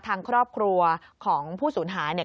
ทางครอบครัวของผู้สูญหายเนี่ย